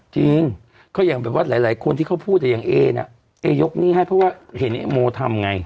จริงเขาอย่างหวัดหลายคนที่เขาพูดแต่อย่างเอเนี่ยเอยกนี่ให้เพราะว่าเห็นเอโมทำไง